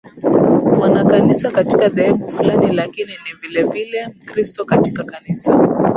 mwanakanisa katika dhehebu fulani lakini ni vilevile Mkristo katika Kanisa